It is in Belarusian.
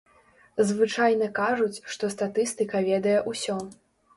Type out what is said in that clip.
Звычайна кажуць, што статыстыка ведае ўсё.